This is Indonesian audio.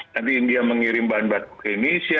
nanti india mengirim bahan baku ke indonesia